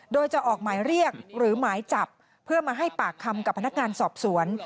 โดยจะออกหมายเรียกหรือหมายจับเพื่อมาให้ปากคำกับพนักงานสอบสวน